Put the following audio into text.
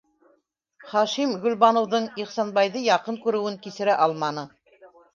Хашим Гөлбаныуҙың Ихсанбайҙы яҡын күреүен кисерә алманы.